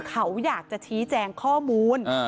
เขาอยากจะชี้แจงข้อมูล